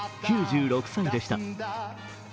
９６歳でした。